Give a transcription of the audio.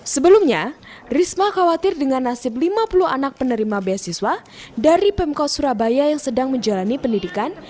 sebelumnya risma khawatir dengan nasib lima puluh anak penerima beasiswa dari pemkot surabaya yang sedang menjalani pendidikan